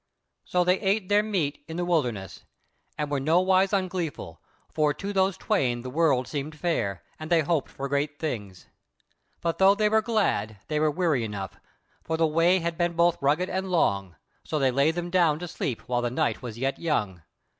So they ate their meat in the wilderness, and were nowise ungleeful, for to those twain the world seemed fair, and they hoped for great things. But though they were glad, they were weary enough, for the way had been both rugged and long; so they lay them down to sleep while the night was yet young.